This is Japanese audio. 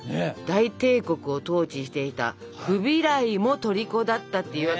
大帝国を統治していたフビライもとりこだったっていうわけだから。